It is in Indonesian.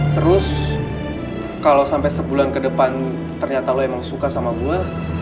terus kalo sampe sebulan kedepan ternyata lo emang suka sama gue